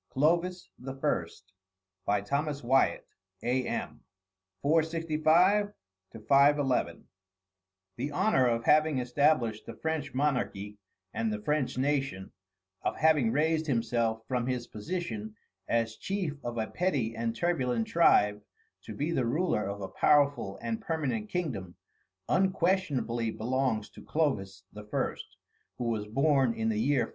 CLOVIS THE FIRST By THOMAS WYATT, A.M. (465 511) [Illustration: Clovis on horse. [TN]] The honor of having established the French monarchy and the French nation, of having raised himself from his position as chief of a petty and turbulent tribe to be the ruler of a powerful and permanent kingdom, unquestionably belongs to Clovis the First, who was born in the year 465.